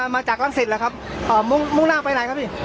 มาจากรังสิตแล้วครับมุ่งหน้าไปไหนครับพี่